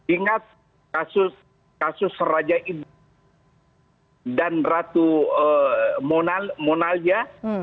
ingat kasus raja ibu dan ratu monalia